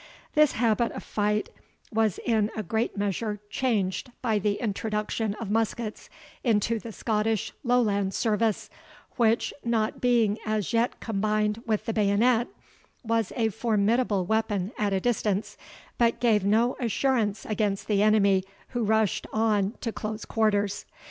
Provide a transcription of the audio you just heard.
This habit of fight was in a great measure changed by the introduction of muskets into the Scottish Lowland service, which, not being as yet combined with the bayonet, was a formidable weapon at a distance, but gave no assurance against the enemy who rushed on to close quarters.